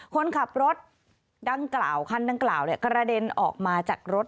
คนขับรถดังกล่าวคันดังกล่าวกระเด็นออกมาจากรถ